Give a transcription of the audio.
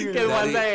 keilmuan saya ya